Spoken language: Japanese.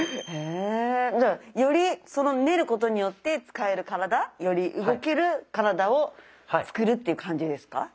じゃあより練ることによって使える体より動ける体を作るっていう感じですか？